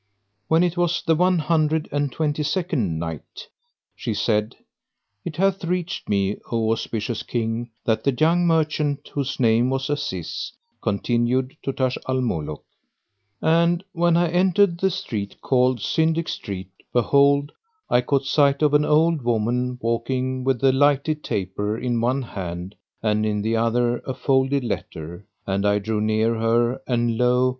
When it was the One Hundred and Twenty second Night, She said, It hath reached me, O auspicious King, that the young merchant, whose name was Aziz, continued to Taj al Muluk:—And when I entered the street called Syndic Street behold, I caught sight of an old woman walking with a lighted taper in one hand and in the other a folded letter and I drew near her and lo!